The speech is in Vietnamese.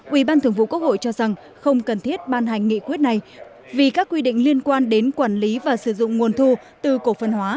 ủy ban thường vụ quốc hội cho rằng không cần thiết ban hành nghị quyết này vì các quy định liên quan đến quản lý và sử dụng nguồn thu từ cổ phần hóa